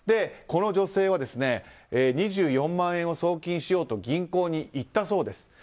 この女性は２４万円を送金しようと銀行に行ったそうです。